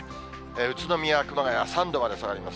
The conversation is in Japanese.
宇都宮、熊谷３度まで下がります。